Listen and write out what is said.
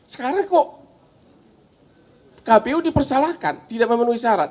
sekarang kok kpu dipersalahkan tidak memenuhi syarat